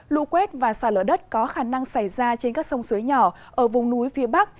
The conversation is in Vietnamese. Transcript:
lũ quét và xả lở đất có khả năng xảy ra trên các sông suối nhỏ ở vùng núi phía bắc